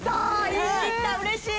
言い切ったうれしい！